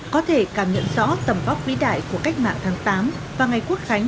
có thể cảm nhận rõ tầm vóc vĩ đại của cách mạng tháng tám và ngày quốc khánh